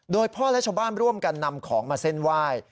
โดยพ่อและชาวบ้านร่วมกันนำของมาเส้นไหว้